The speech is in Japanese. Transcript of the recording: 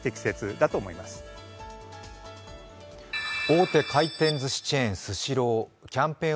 大手回転ずしチェーンスシロー。